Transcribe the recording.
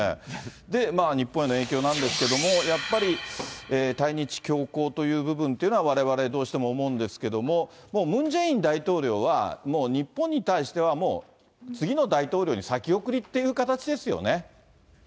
で、日本への影響なんですけれども、やっぱり対日強硬という部分っていうのはわれわれ、どうしても思うんですけれども、もうムン・ジェイン大統領はもう日本に対しては、もう次の大統領に先送りっていう形ですよね。